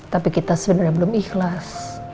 tapi kita sebenarnya belum ikhlas